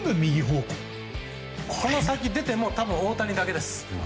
この先、出ても多分、大谷だけです。